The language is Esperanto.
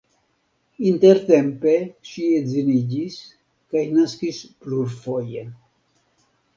Intertempe ŝi edziniĝis kaj naskis plurfoje.